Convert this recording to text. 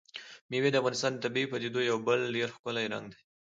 مېوې د افغانستان د طبیعي پدیدو یو بل ډېر ښکلی رنګ دی.